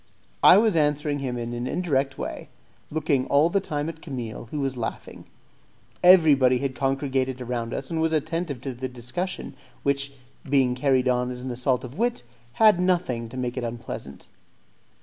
I was answering him in an indirect way, looking all the time at Camille, who was laughing. Everybody had congregated around us and was attentive to the discussion, which, being carried on as an assault of wit, had nothing to make it unpleasant.